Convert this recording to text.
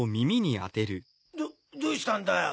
どどうしたんだよ